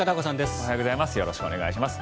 おはようございます。